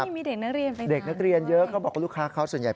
มีเด็กนักเรียนไปทานกว่า